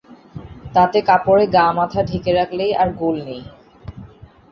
তাতে কাপড়ে গা-মাথা ঢেকে রাখলেই আর গোল নেই।